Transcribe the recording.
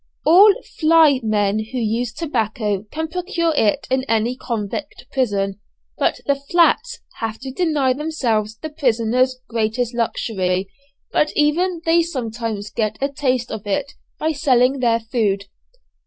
All 'fly' men who use tobacco can procure it in any convict prison; but the 'flats,' have to deny themselves the prisoners' greatest luxury, but even they sometimes get a taste of it by selling their food.